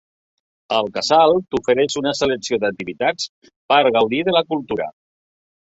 El Casal t'ofereix una selecció d'activitats per gaudir de la cultura.